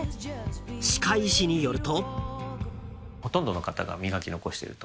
［歯科医師によると］